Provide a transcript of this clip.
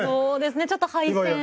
そうですねちょっと廃線。